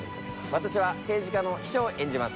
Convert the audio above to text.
私は政治家の秘書を演じます。